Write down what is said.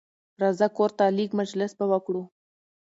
راځه کورته لېږ مجلس به وکړو